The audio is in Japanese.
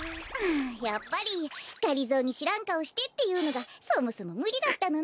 やっぱりがりぞーにしらんかおしてっていうのがそもそもむりだったのね。